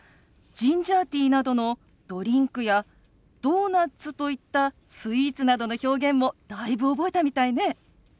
ジンジャーティーなどのドリンクやドーナツといったスイーツなどの表現もだいぶ覚えたみたいね。